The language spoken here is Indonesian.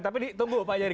tapi tunggu pak cahyadi